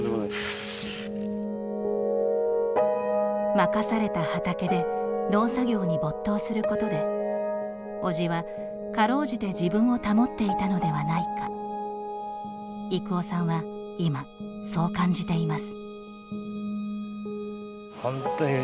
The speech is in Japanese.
任された畑で農作業に没頭することで叔父は、かろうじて自分を保っていたのではないか郁夫さんは今、そう感じています。